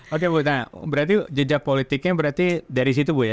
oke bu nah berarti jejak politiknya berarti dari situ bu ya